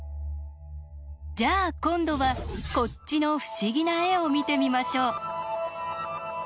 じゃあ今度はこっちの不思議な絵を見てみましょう。